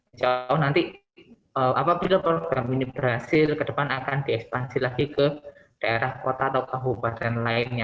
insya allah nanti apabila program ini berhasil ke depan akan diekspansi lagi ke daerah kota atau kabupaten lainnya